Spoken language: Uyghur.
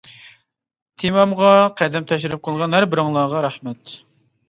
تېمامغا قەدەم تەشرىپ قىلغان ھەر بىرىڭلارغا رەھمەت.